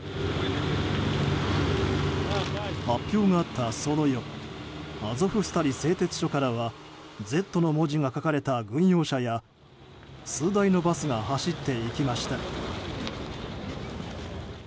発表があった、その夜アゾフスタリ製鉄所からは「Ｚ」の文字が書かれた軍用車や数台のバスが走っていきました。